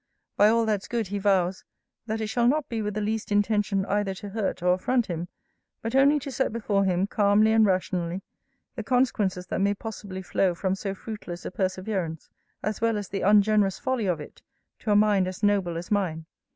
By all that's good, he vows, that it shall not be with the least intention either to hurt or affront him; but only to set before him, calmly and rationally, the consequences that may possibly flow from so fruitless a perseverance, as well as the ungenerous folly of it, to a mind as noble as mine.